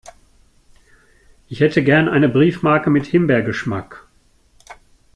Ich hätte gern eine Briefmarke mit Himbeergeschmack.